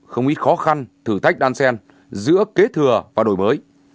không ít khó khăn thử thách đan sen giữa kế thừa và đổi mới